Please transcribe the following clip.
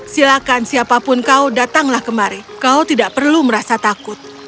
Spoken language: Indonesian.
silakan siapapun kau datanglah kemari kau tidak perlu merasa takut